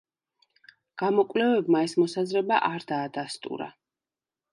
გამოკვლევებმა ეს მოსაზრება არ დაადასტურა.